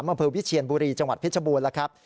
อำเภอวิเชียนบุรีจังหวัดเพชรบูรณ์แล้วครับ